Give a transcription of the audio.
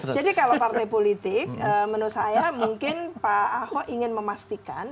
jadi kalau partai politik menurut saya mungkin pak ahok ingin memastikan